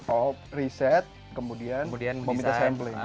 oh reset kemudian mau minta sampling